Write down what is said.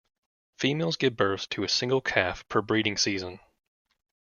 Females give birth to a single calf per breeding season.